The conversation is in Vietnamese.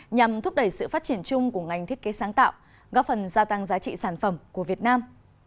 nhằm thúc đẩy sự phát triển chung của ngành thiết kế sáng tạo góp phần gia tăng giá trị sản phẩm của việt nam